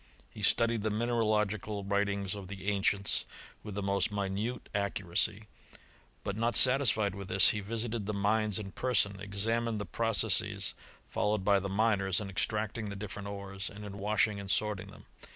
He studied the mineralogical writings of the ancients with the most minute accu racy ; but not satisfied with this, he visited the mines in persoQ; examined the processes followed by die 220 HISTORY OF CHEMISTRT. miners in extracting the difFerent ores, and in washing and sorting them.